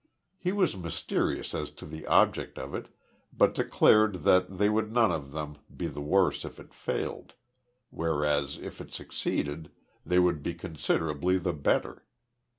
He was mysterious as to the object of it, but declared that they would none of them be the worse if it failed, whereas if it succeeded, they would be considerably the better.